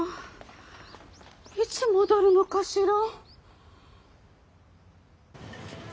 いつ戻るのかしら。